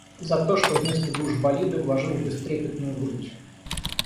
За то, что вместо душ болиды вложил в бестрепетную грудь.